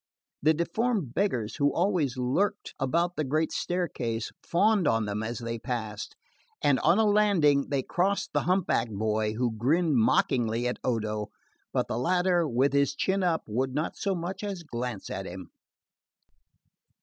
The deformed beggars who always lurked about the great staircase fawned on them as they passed, and on a landing they crossed the humpbacked boy, who grinned mockingly at Odo; but the latter, with his chin up, would not so much as glance at him.